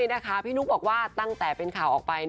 นี่นะคะพี่นุ๊กบอกว่าตั้งแต่เป็นข่าวออกไป